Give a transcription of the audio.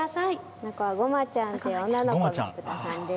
この子はごまちゃんという女の子のブタさんです。